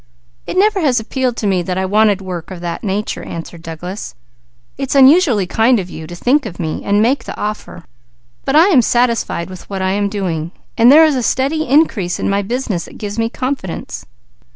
"It never has appealed to me that I wanted work of that nature," answered Douglas. "It's unusually kind of you to think of me, and make the offer, but I am satisfied with what I am doing, while there is a steady increase in my business that gives me confidence."